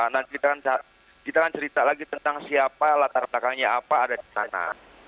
nanti kita akan cerita lagi tentang siapa latar belakangnya apa ada di sana